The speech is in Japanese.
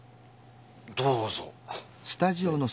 どうぞ。